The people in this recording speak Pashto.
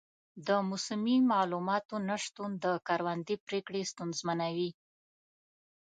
د موسمي معلوماتو نه شتون د کروندې پریکړې ستونزمنوي.